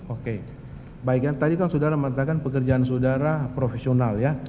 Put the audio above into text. oke baik yang tadi kan saudara mengatakan pekerjaan saudara profesional ya